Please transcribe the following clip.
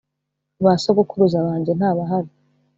basogokuruza banjye ntabahari.